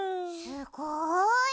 すっごい！